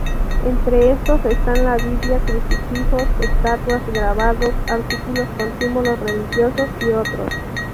Entre estos están la Biblia, crucifijos, estatuas, gravados, artículos con símbolos religiosos y otros.